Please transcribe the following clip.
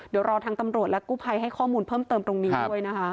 เดี๋ยวรอทางตำรวจและกู้ภัยให้ข้อมูลเพิ่มเติมตรงนี้ด้วยนะคะ